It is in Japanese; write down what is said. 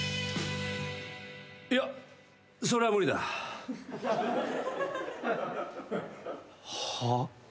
いやそれは無理だ。はあ？